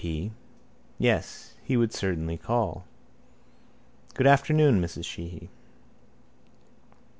P. Yes, he would certainly call. —Good afternoon, Mrs Sheehy.